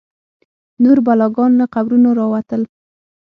نور بلاګان له قبرونو راوتل.